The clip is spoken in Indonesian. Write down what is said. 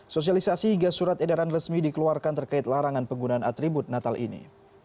sosialisasi hingga surat edaran resmi dikeluarkan terkait larangan penggunaan atribut natal ini